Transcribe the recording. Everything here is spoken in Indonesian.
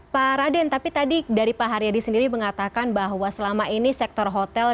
pak raden tapi tadi dari pak haryadi sendiri mengatakan bahwa selama ini sektor hotel